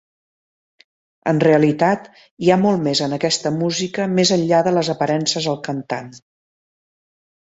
En realitat, hi ha molt més en aquesta "música" més enllà de les aparences el cantant.